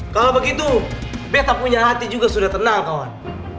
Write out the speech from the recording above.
kalau begitu beta punya hati juga sudah tenang kawan